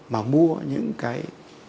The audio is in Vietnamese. mà mua những cái